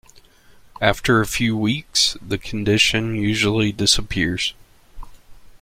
After a few weeks, the condition usually disappears.